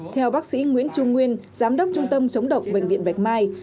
theo bác sĩ nguyễn trung nguyên giám đốc trung tâm chống độc bệnh viện bạch mai